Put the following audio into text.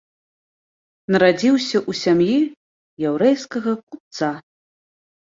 Нарадзіўся ў сям'і яўрэйскага купца.